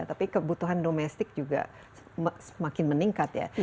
tapi kebutuhan domestik juga semakin meningkat ya